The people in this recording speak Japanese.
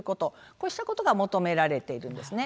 こうしたことが求められているんですね。